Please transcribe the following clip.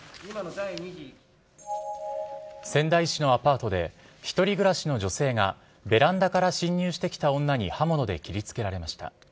仙台市のアパートで一人暮らしの女性がベランダから侵入してきた女に刃物で切りつけられました。